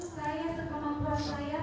terima kasih pak